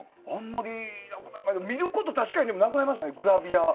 あんまり、見ること確かになくなりましたね、グラビア。